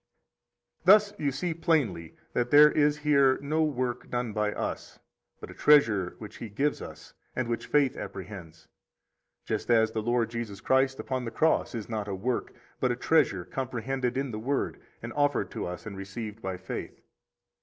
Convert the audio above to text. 37 Thus you see plainly that there is here no work done by us, but a treasure which He gives us, and which faith apprehends; just as the Lord Jesus Christ upon the cross is not a work, but a treasure comprehended in the Word, and offered to us and received by faith.